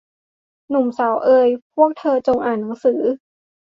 หนุ่มสาวเอย พวกเธอจงอ่านหนังสือ